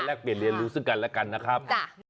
เปลี่ยนเรียนรู้ซึ่งกันและกันนะครับ